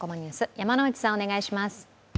山内さん、お願いします。